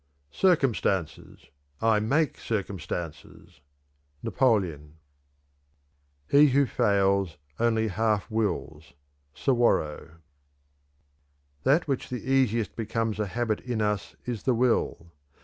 "Circumstances! I make circumstances!" Napoleon. "He who fails only half wills." Suwarrow. "That which the easiest becomes a habit in us is the will.